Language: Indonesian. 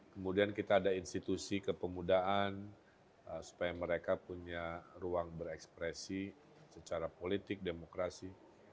kemudian kita ada institusi kepemudaan supaya mereka punya ruang berekspresi secara politik demokrasi